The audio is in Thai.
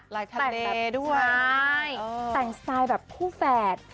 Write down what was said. ลายทะเลด้วยใช่แต่งสไตล์แบบคู่แฝด